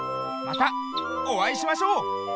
またおあいしましょう。